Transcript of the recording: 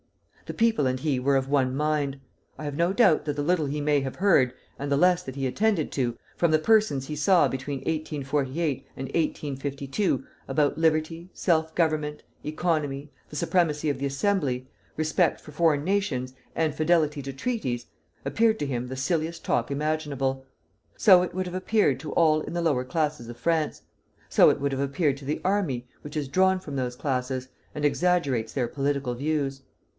The people and he were of one mind. I have no doubt that the little he may have heard, and the less that he attended to, from the persons he saw between 1848 and 1852 about liberty, self government, economy, the supremacy of the Assembly, respect for foreign nations, and fidelity to treaties, appeared to him the silliest talk imaginable. So it would have appeared to all in the lower classes of France; so it would have appeared to the army, which is drawn from those classes, and exaggerates their political views."